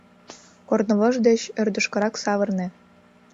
Корнывож деч ӧрдыжкырак савырне.